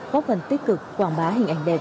góp phần tích cực quảng bá hình ảnh đẹp